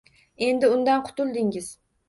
Endi undan qutuldingiz